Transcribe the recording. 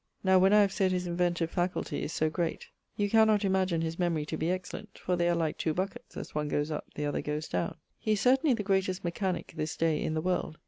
Now when I have sayd his inventive faculty is so great, you cannot imagine his memory to be excellent, for they are like two bucketts, as one goes up, the other goes downe. He is certainly the greatest mechanick this day in the world.